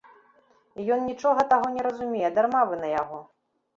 І ён нічога таго не разумее, дарма вы на яго.